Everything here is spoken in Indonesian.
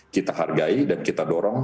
kita hargai dan kita dorong